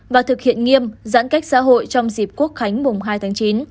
và thực hiện nghiêm giãn cách xã hội trong dịp quốc khánh mùng hai tháng chín